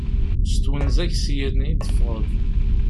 S twenza-k syen i d-teffɣeḍ